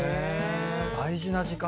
大事な時間だ